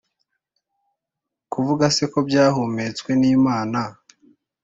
Kuvuga se ko byahumetswe n Imana